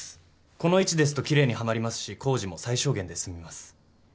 この位置ですときれいにはまりますし工事も最小限で済みます。